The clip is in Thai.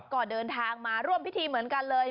ก็เดินทางมาร่วมพิธีเหมือนกันเลย